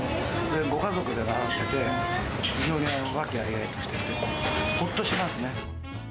ご家族でなさってて、非常に和気あいあいとしていて、ほっとしますね。